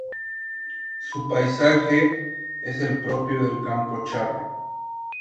Su paisaje es el propio del Campo Charro.